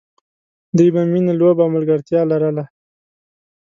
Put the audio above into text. دوی به مینه، لوبه او ملګرتیا لرله.